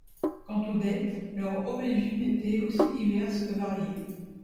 Quant aux dettes, leurs origines étaient aussi diverses que variées.